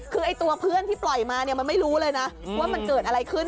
คือตัวเพื่อนที่ปล่อยมาเนี่ยมันไม่รู้เลยนะว่ามันเกิดอะไรขึ้น